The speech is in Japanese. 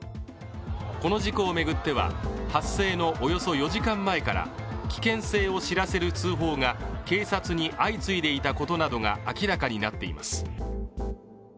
この事故を巡っては発生のおよそ４時間前から危険性を知らせる通報が警察に相次いでいたことなどが明らかになっています